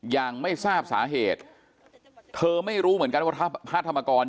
ยังไม่ทราบสาเหตุเธอไม่รู้เหมือนกันว่าพระธรรมกร